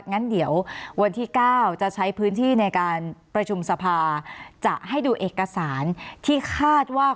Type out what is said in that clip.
งั้นเดี๋ยววันที่๙จะใช้พื้นที่ในการประชุมสภาจะให้ดูเอกสารที่คาดว่า